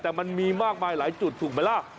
แต่มันมีมากมายหลายจุดถูกไหมล่ะ